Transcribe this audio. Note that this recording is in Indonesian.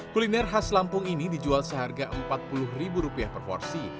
kuliner khas lampung ini dijual seharga empat puluh per porsi